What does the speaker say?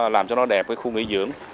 làm cho nó đẹp khu nghỉ dưỡng